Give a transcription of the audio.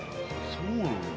そうなんだ。